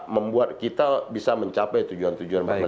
membuat kita bisa mencapai tujuan tujuan pemerintah